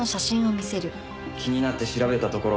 気になって調べたところ